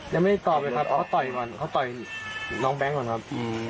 ยังไม่ได้ตอบเลยครับเขาต่อยก่อนเขาต่อยน้องแบงค์ก่อนครับ